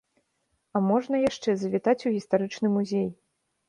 А можна яшчэ завітаць у гістарычны музей.